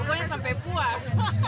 pokoknya sampai puas